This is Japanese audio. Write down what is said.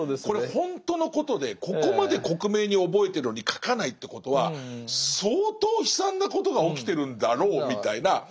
これほんとのことでここまで克明に覚えてるのに書かないってことは相当悲惨なことが起きてるんだろうみたいな。